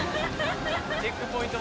チェックポイント